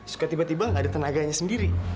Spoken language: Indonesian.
suka tiba tiba gak ada tenaganya sendiri